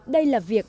đây là việc